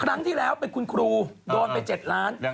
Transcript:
ครั้งที่แล้วเป็นคุณครูโดนไป๗ล้าน